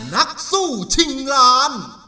นักสู้ชิงล้าน